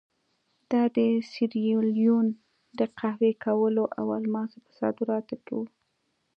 دا د سیریلیون د قهوې، کوکو او الماسو په صادراتو کې وو.